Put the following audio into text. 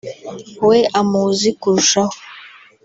we amuzi kurushaho